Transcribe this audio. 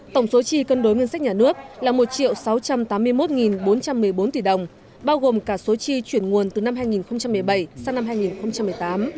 tổng số chi cân đối ngân sách nhà nước là một sáu trăm tám mươi một bốn trăm một mươi bốn tỷ đồng bao gồm cả số chi chuyển nguồn từ năm hai nghìn một mươi bảy sang năm hai nghìn một mươi tám